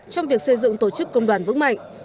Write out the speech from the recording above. trong việc xây dựng tổ chức công đoàn vững mạnh